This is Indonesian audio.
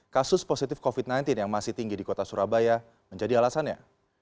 kasus positif covid sembilan belas yang masih tinggi di kota surabaya menjadi alasannya